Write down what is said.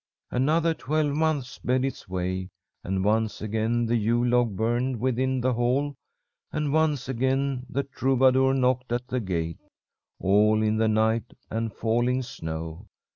"Another twelvemonth sped its way, and once again the Yule log burned within the hall, and once again the troubadour knocked at the gate, all in the night and falling snow.